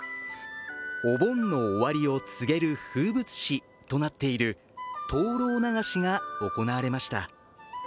お盆の終わりを告げる風物詩となっている灯籠流しが行われました。